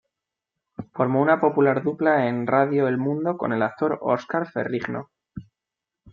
Formó una popular dupla en Radio El Mundo con el actor Oscar Ferrigno.